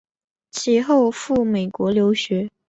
其后赴美国留学。